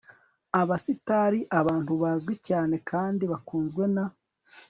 abasitari abantu bazwi cyane kandi bakunzwe na